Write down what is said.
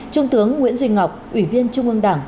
trung tướng nguyễn duy ngọc ủy viên trung ương đảng